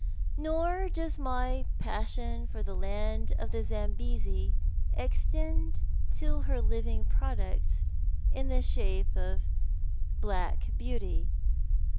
Nor does my passion for the land of the 2^mbesi extend to her living products in the shape of black beauty.